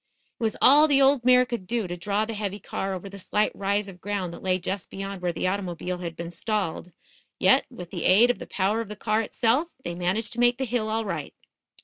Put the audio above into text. It was all the old mare could do to draw the heavy car over the slight rise of ground that lay just beyoud where the automobile had been stalled; yet, with the aid of the power of the car itself, they managed to make the hill all right.